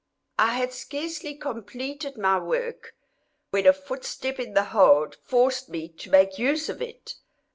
I had scarcely completed my work, when a footstep in the hold forced me to make use of it.